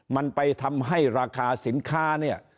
มันไปทำให้ราคาสินค้าเนี่ย